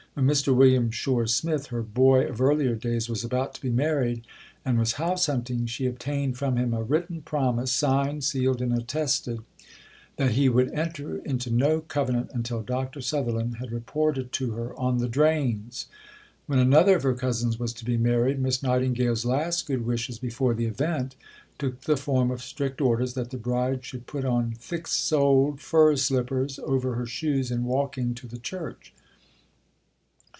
When Mr. William Shore Smith "her boy" of earlier days was about to be married, and was house hunting, she obtained from him a written promise, signed, sealed, and attested, that he would enter into no covenant until Dr. Sutherland had reported to her on the drains. When another of her cousins was to be married, Miss Nightingale's last good wishes, before the event, took the form of strict orders that the bride should put on "thick soled fur slippers over her shoes in walking to the church.